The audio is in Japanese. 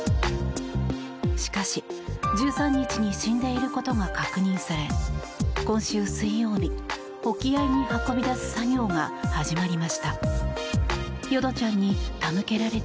しかし、１３日に死んでいることが確認され今週水曜日沖合に運び出す作業が始まりました。